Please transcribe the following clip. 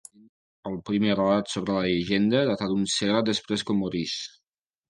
El primer relat sobre la llegenda data d'un segle després que morís.